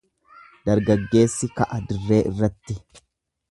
Dargaggeessi ka'a dirree irratti.